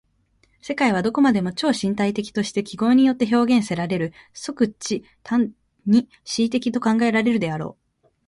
世界はどこまでも超身体的として記号によって表現せられる、即ち単に思惟的と考えられるであろう。